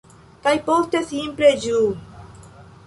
Kaj poste simple ĝuu!